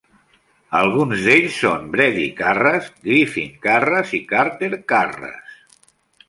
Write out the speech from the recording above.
Alguns d'ells són Brady Karras, Griffin Karras i Carter Karras.